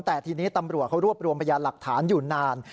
แต่ทีนี้ตำรวจเขารวบรวมพยานหลักฐานอยู่นาน